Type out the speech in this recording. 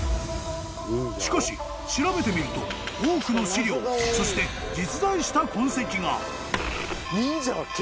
［しかし調べてみると多くの史料そして実在した痕跡が］